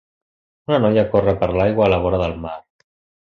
Una noia corre per l'aigua a la vora del mar.